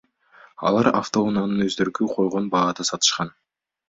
Алар автоунааны өздөрү койгон баада сатышкан.